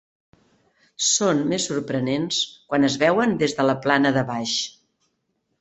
Són més sorprenents quan es veuen des de la plana de baix.